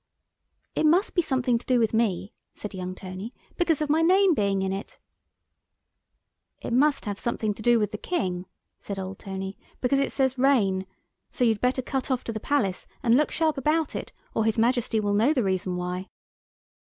"It must be something to do with me," said young Tony, "because of my name being in it." "It must have something to do with the King," said old Tony, "because it says 'reign,' so you'd better cut off to the Palace, and look sharp about it, or His Majesty will know the reason why."